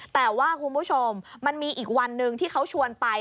แต่ว่าคุณผู้ชมมันมีอีกวันหนึ่งที่เขาชวนไป